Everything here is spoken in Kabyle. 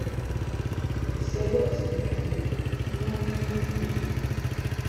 Lezzayer ad tt-id-neḥyu, i kunwi ay igumiyen.